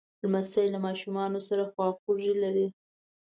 لمسی له ماشومانو سره خواخوږي لري.